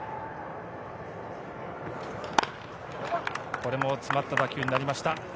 これも詰まった打球になりました。